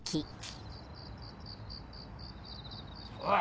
おい！